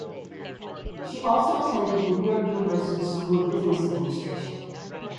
She also attended the New York University School of Business Administration.